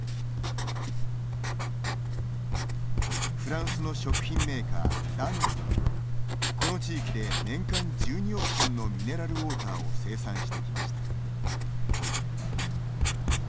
フランスの食品メーカーダノンも、この地域で年間１２億本のミネラルウオーターを生産してきました。